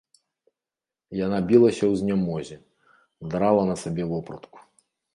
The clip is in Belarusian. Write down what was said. Яна білася ў знямозе, драла на сабе вопратку.